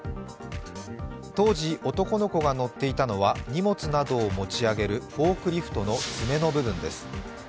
当時、男の子が乗っていたのは荷物などを持ち上げるフォークリフトの爪の部分です。